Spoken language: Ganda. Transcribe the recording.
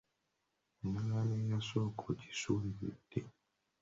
Endagaano eyasooka ogisuuliridde.